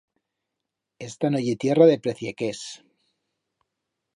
Esta no ye tierra de preciequers.